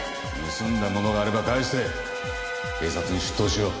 盗んだものがあれば返して警察に出頭しよう。